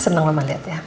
senang mbak mbak liat ya